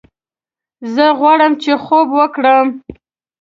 زه غواړم چې خوب وکړم